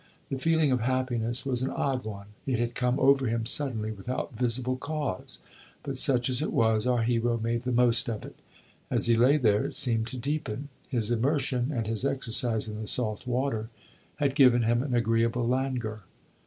The feeling of happiness was an odd one; it had come over him suddenly, without visible cause; but, such as it was, our hero made the most of it. As he lay there it seemed to deepen; his immersion and his exercise in the salt water had given him an agreeable languor.